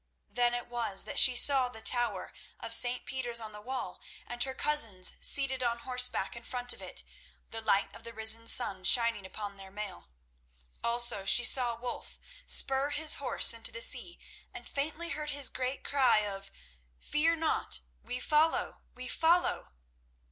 Then it was that she saw the tower of St. Peter's on the Wall and her cousins seated on horseback in front of it, the light of the risen sun shining upon their mail. Also she saw Wulf spur his horse into the sea, and faintly heard his great cry of "Fear not! We follow, we follow!"